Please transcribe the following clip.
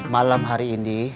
malam hari ini